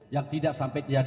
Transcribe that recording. yang tidak sampai keadaan